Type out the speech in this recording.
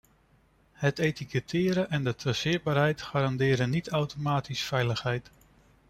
Het etiketteren en de traceerbaarheid garanderen niet automatisch veiligheid.